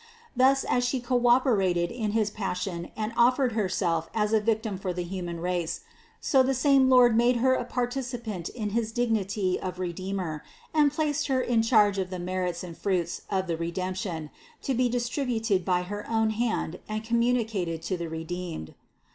Thus, as She cooperated in his Pas sion and offered Herself as a victim for the human race, so the same Lord made Her a participant in his dignity of Redeemer and placed Her in charge of the merits and fruits of the Redemption, to be distributed by her own hand and communicated to the redeemed.